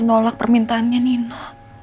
nolak permintaannya nino